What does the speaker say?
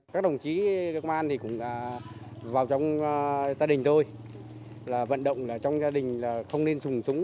các đồng chí công an cũng vào trong gia đình tôi vận động trong gia đình không nên sùng súng